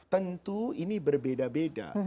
tentu ini berbeda beda